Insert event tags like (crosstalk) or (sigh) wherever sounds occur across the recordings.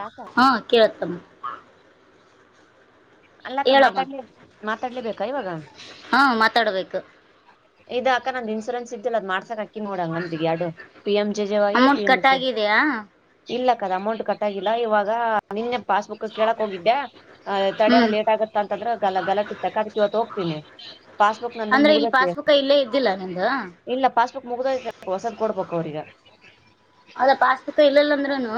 ತಾಕ ಹಾ ಕೇಳ್ದ ಅಲ್ಲಕ್ಕ ಹೇಳಮ್ಮ ಮಾತಾಡ್ಲ ಮಾತಾಡ್ಲೇಬೇಕಾ ಇವಾಗ ಹಾ ಮಾತಾಡ್ಬೇಕು ಇದ ಅಕ್ಕ ನಂದಂದು ಇನ್ಸೂರೆನ್ಸ್ ಇದ್ದಿಲ್ಲ ಅದ್ಸಕಕ್ಗ್ತತಿ ಿ ನೋಡಂಗ ಅಂತಿಗೆ ಅಡು ಪಿ ಎಂ ಜೆಜವ ಪಿ ಅಮೌಂಟ್ ಎಂ ಕಟ್ ಆಗಿದೆಯಾ ಇಲ್ಲ ಅಮೌಂಟ್ ಕಟ್ಟಾಗಿಲ್ಲ ಇವಾಗ ನಿನ್ನೆ ಪಾಸ್ಬುಕ್ ಕೇಳಕ್ ಹೋಗಿದ್ದೆ ತಡಮ ಹ್ಮ್ ಲೇಟ್ ಆಗತ್ತ ಅಂತಂದ್ರೆ ಗಲ ಗಲಟ ಇತ್ತ ಅದಕ್ಕೆ ಇವತ್ತು ಹೋಗ್ತೀನಿ ಪಾಸ್ಬುಕ್ ನ ಅಂದ್ರೆ ಮುಗತಿ (unintelligible) ಇಲ್ಲೇ ಇದ್ದಿಲ್ಲ ನಿಂದ ಮುಗ್ದೈತಿ ಹೊಸದ್ ಕೊಡ್ಬೇಕು ಅವ್ರಗ ಹೌದಾ ಪಾಸ್ ಬುಕ್ ಇರ್ಲಿಲ್ಲ ಅಂದ್ರೂನು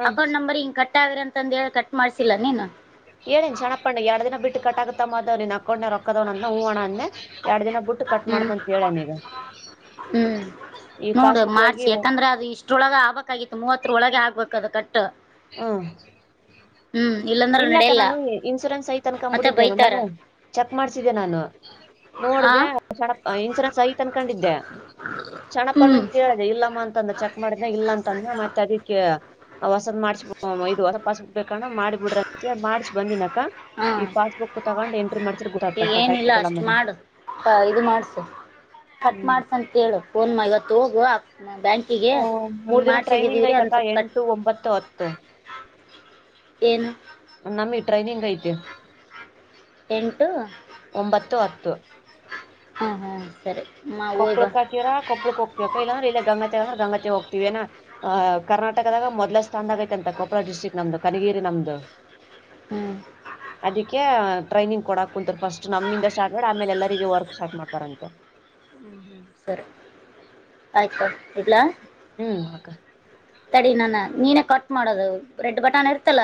ಹ್ಮ್ ಅಕೌಂಟ್ ನಂಬರ್ ಹಿಂಗ ಕಟ್ಟ ಕಟ್ ಆದ್ರ ಅಂತ ಹೇಳಿ ಕಟ್ ಮಾಡಿಸಿಲ್ಲ ನೀನು ಹೇಳೇನ ಜನಪಣ್ಣು ಎರಡು ದಿನ ಬಿಟ್ಟು ಕಟ್ ಆಗುತ್ತ ಅಮ್ಮ ನಿನ್ನ ಅಕೌಂಟ್ಗೆ ದಿನ ಬಿಟ್ಟು ಕಟ್ ಹ್ಮ್ ಮಾಡ್ತನಂತ ಹೇಳೇನ್ ಈಗ ಹ್ಮ್ ಈ ನೋಡು ಪಾಸ್ಬುಕ್ ಮಾರ್ಚ್ ಹೋಗಿ ಯಾಕಂದ್ರ ಅದ ಇಷ್ಟರೋಳಗೆ ಆಗಬೇಕಾಗಿತ್ತು ಮೂವತ್ತರ ಒಳಗೆ ಆಗ್ಬಬೇಕ ಅದ ಕಟ್ಟ ಹ್ಮ್ ಹ್ಮ್ ಇಲ್ಲಾಂದ್ರೆ ಇಲ್ಲಕ್ಕ ನಡೆಯಲ್ಲ ನಾನು ಇನ್ಸೂರೆನ್ಸ್ ಐತ ಮತ್ತೆ ಅನ್ಕೊಂಡ್ಬಿಟ್ಟಿದ ಬೈತಾರ ನಾನ ಚೆಕ್ ಮಾಡಿಸಿದ್ದೆ ನಾನು ಆ ನೋಡ್ದ ಕ್ಣ ಇನ್ಸೂರೆನ್ಸ್ ಐತ ಅನ್ಕೊಂಡಿದ್ದೆ ಚೆನ್ನಪ್ಪ ಹ್ಮ್ ಅಣ್ಣನ ಕೇಳ್ದ ಇಲ್ಲಮ್ಮ ಅಂತಂದ ಚೆಕ್ ಮಾಡಿದ ಇಲ್ಲ ಅಂತಂದ ಮತ್ತೆ ಅದಿಕ್ಕೆ ಹೊಸದ್ ಮಾಡ್ಸಬ ಇ ಹೊಸದ ಮಾಡಸ ಹೊಸ ಪಾಸ್ ಬುಕ್ ಬೇಕ ಅಂದ ಮಾಡ ಬಿಡ್ರಿ ಮಾಡ್ಸಿ ಬಂದಿನಿಕ್ಕ ಹಾ ಈ ಪಾಸ್ಬುಕ್ ತಗೊಂಡು ಎಂಟ್ರಿ ಮಾಡ್ಸ್ರ ಗೊತ್ತಾಗ್ತೈತಿ ಕಟ್ ಏನಿಲ್ಲ ಆಗ್ತೈತಿ ಇಲ್ಲ ಅಂತ ಅಷ್ಟು ಮಾಡು ಇದು ಮಾಡ್ಸು ಕಟ್ ಹ್ಮ್ ಮಾಡ್ಸ ಅಂತೇಳು ಫೋನ್ ಮ ಇವತ್ತು ಹೋಗು ಬ್ಯಾಂಕಿಗೆ ಹ್ಮ ಮೂರ್ ಹಿಂಗೆ ದಿನ ಟ್ರೈನಿಂಗ್ ಮಾಡ್ಸಾಗಿದ್ದೀವ್ರಿ ಐತಿ ಅದನ್ನ ಅಕ್ಕ ಸ್ವಲ್ಪ ಕಟ್ ಎಂಟು ಒಂಬತ್ತು ಹತ್ತು ಏನು ನಮ್ಮ ಟ್ರೈನಿಂಗ್ ಐತಿ ಎಂಟು ಒಂಬತ್ತು ಹತ್ತು ಹಾ ಹಾ ಸರಿ ಮಾ ಹೋಯ್ ಬಾ ಕೊಪ್ಪಳಕ್ಕ ಹಾಕೀರ ಕೊಪ್ಪಳಕ ಹೋಗ್ತೀವಿ ಅಕ್ಕ ಇಲ್ಲಾ ಇಲ್ಲೇ ಗಂಗಾವತಿ ಅಂದ್ರ ಗಂಗಾವತಿಗ ಹೋಗ್ತಿವೇನ ಆ ಕರ್ನಾಟಕದಾಗ ಮೊದಲಷ್ಟ ಚಂದ ಆಗೆತಿ ಅಂತ ಕೊಪ್ಪಳ ಡ್ಟ್ರಿಕ್ ನಮ್ದ ಕನಗಿರಿ ನಮ್ದು ಹ್ಞೂ (inaudible) ಅದಕ್ಕೆ ಟ್ರೈನಿಂಗ್ ಕೊಡಾಕ ಕುಂತರ್ ಫಸ್ಟ್ ನಮ್ಮಿಂದ ಸ್ಟಾರ್ಟ್ ಮಾಡಿ ಆಮೇಲ ಎಲ್ಲರಿಗೆ ವರ್ಕ್ ಸ್ಟಾರ್ಟ ಮಾಡ್ತಾರಂತೆ ಹ್ಮ್ ಹ್ಮ್ ಸರಿ ಆಯ್ತು ಇಡ್ಲಾ ಹ್ಮ್ ಅಕ್ಕ ತಡಿ ನಾನ ನೀನ ಕಟ್ ಮಾಡೋದು ರೆಡ್ ಬಟನ್ ಇರ್ತಲ್ಲ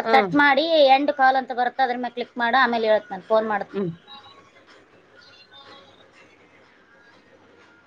ಅದ್ ಹ್ಮ್ ಕಟ್ ಮಾಡಿ ಎಂಡ ಕಾಲ್ ಅಂತ ಬರುತ್ತ ಅದರ ಮ್ಯಾಲ ಕ್ಲಿಕ್ ಮಾಡ ಆಮೇಲೇ ಹೇಳತನ ಫೋನ್ ಮಾಡ್ತನ ಹ್ಮ್.